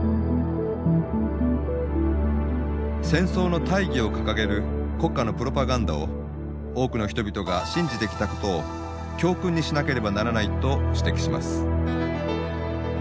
戦争の大義を掲げる国家のプロパガンダを多くの人々が信じてきたことを教訓にしなければならないと指摘します。